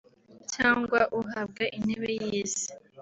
cyangwa uhabwa intebe y’isi